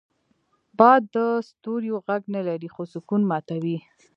باد د ستوریو غږ نه لري، خو سکون ماتوي